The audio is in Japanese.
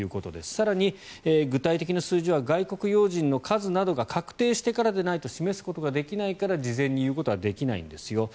更に、具体的な数字は外国要人の数などが確定してから出ないと示すことができないから事前に言うことはできないんですよと。